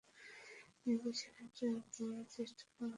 নিজের সেরাটা দিয়ে চেষ্টা করব।